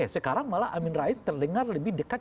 sekarang malah amin rais terdengar lebih dekat